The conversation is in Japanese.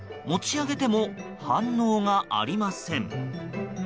持ち上げても反応がありません。